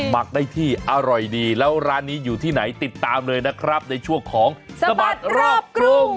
มักได้ที่อร่อยดีแล้วร้านนี้อยู่ที่ไหนติดตามเลยนะครับในช่วงของสบัดรอบกรุง